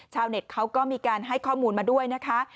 เน็ตเขาก็มีการให้ข้อมูลมาด้วยนะคะ